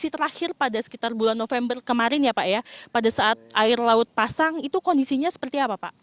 terakhir pada sekitar bulan november kemarin ya pak ya pada saat air laut pasang itu kondisinya seperti apa pak